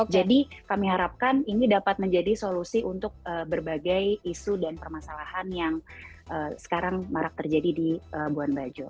jadi kami harapkan ini dapat menjadi solusi untuk berbagai isu dan permasalahan yang sekarang marak terjadi di buan bajo